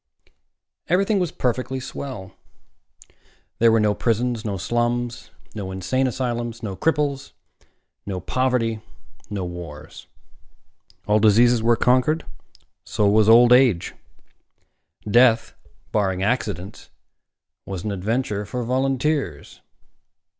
Everything was perfectly swell. There were no prisons, no slums, no insane asylums, no cripples, no poverty, no wars. All diseases were conquered. So was old age. Death, barring accidents, was an adventure for volunteers.